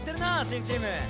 新チーム。